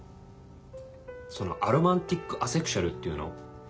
そのアロマンティック・アセクシュアルっていうの？